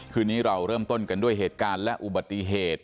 คืนนี้เราเริ่มต้นกันด้วยเหตุการณ์และอุบัติเหตุ